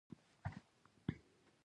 د ولسواکۍ د ودي لپاره ځوانان مهم رول لري.